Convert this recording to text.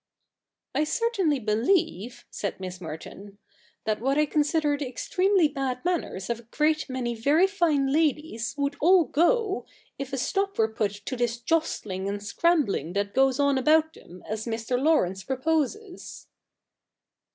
' I certainly believe,' said ^Nliss Merton, ' that what I consider the extremely bad manners of a great many very fine ladies would all go, if a stop were put to this jostling and scrambling that goes on about them as Mr. Laurence proposes.'